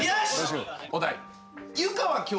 お題。